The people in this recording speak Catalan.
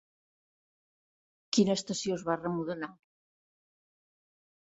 Quina estació es va remodelar?